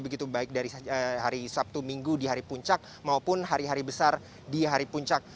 begitu baik dari hari sabtu minggu di hari puncak maupun hari hari besar di hari puncak